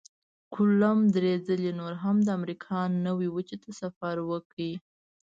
کولمب درې ځلې نور هم د امریکا نوي وچې ته سفر وکړ.